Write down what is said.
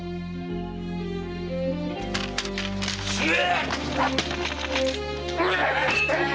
死ね！